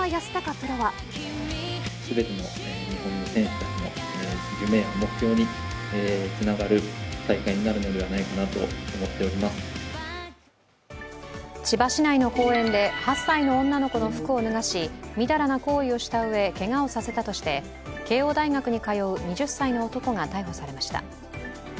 プロは千葉市内の公園で８歳の女の子の服を脱がし、みだらな行為をしたうえ、けがをさせたとして慶応大学に通う２０歳の男が逮捕されました。